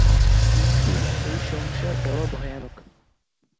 কিন্তু এই সংসার বড় ভয়ানক।